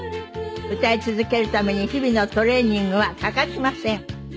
歌い続けるために日々のトレーニングは欠かしません。